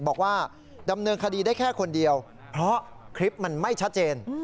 บอกว่าดำเนินคดีได้แค่คนเดียวเพราะคลิปมันไม่ชัดเจน